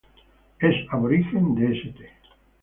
Es aborigen de St.